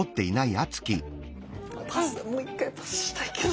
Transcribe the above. もう１回パスしたいけど。